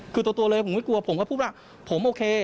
คือตัวเลยผมไม่กลัวผมก็พูดว่าผมโอเค